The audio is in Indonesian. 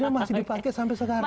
masih dipakai sampai sekarang